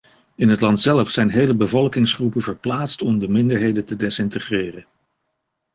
In het land zelf zijn hele bevolkingsgroepen verplaatst om de minderheden te desintegreren.